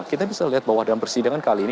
kita bisa lihat bahwa dalam persidangan kali ini